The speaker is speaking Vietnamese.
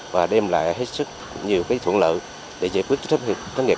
và đem lại hết sức nhiều thuận lợi để giải quyết chức sách bảo hiểm thất nghiệp